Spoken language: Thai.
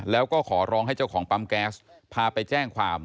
แล้วก็ขอร้องให้เจ้าของปั๊มแก๊สพาไปแจ้งความ